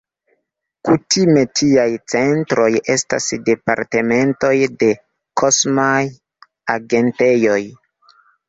Kutime tiaj centroj estas departementoj de kosmaj agentejoj.